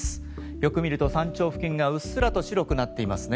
よく見ると山頂付近がうっすらと白くなっていますね。